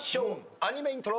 アニメイントロ。